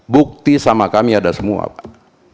bukti sama kami ada semua pak